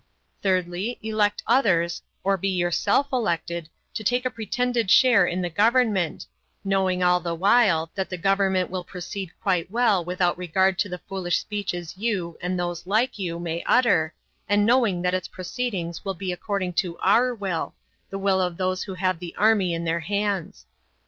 Thirdly, elect others, or be yourself elected, to take a pretended share in the government, knowing all the while that the government will proceed quite without regard to the foolish speeches you, and those like you, may utter, and knowing that its proceedings will be according to our will, the will of those who have the army in their hands.